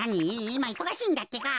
いまいそがしいんだってか。